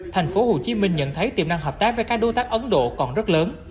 thành phố hồ chí minh nhận thấy tiềm năng hợp tác với các đối tác ấn độ còn rất lớn